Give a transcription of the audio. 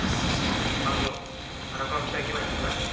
「花園荒川北駅前に向かえ」